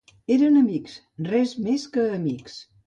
Eren amics, res més que amics.